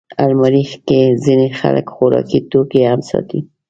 الماري کې ځینې خلک خوراکي توکي هم ساتي